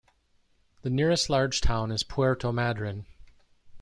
The nearest large town is Puerto Madryn.